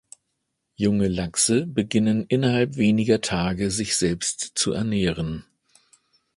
Junge Lachse beginnen innerhalb weniger Tage sich selbst zu ernähren.